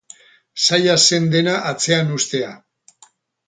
Zaila zen dena atzean uztea.